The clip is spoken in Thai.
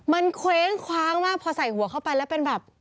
มันเคว้งคว้างมากพอใส่หัวเข้าไปแล้วเป็นแบบ